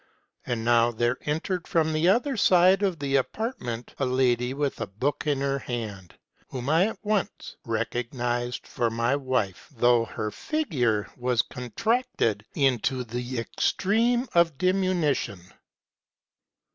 And now there entered from the other side of the apartment a lady with a book in her hand, whom I at once recognized for my wife ; though her figure was contracted into the extreme of dimi nution.